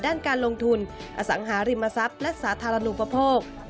ด้านการลงทุนอสังหาริมทรัพย์และสาธารณูปโภค